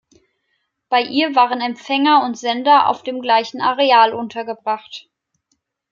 Bei ihr waren Empfänger und Sender auf dem gleichen Areal untergebracht.